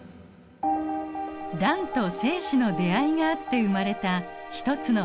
卵と精子の出会いがあって生まれた一つの細胞。